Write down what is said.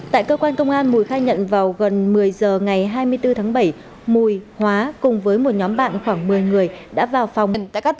tại cơ quan công an mùi khai nhận vào gần một mươi giờ ngày hai mươi bốn tháng bảy mùi hóa cùng với một nhóm bạn khoảng một mươi người đã vào phòng